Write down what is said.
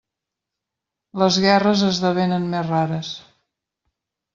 Les guerres esdevenen més rares.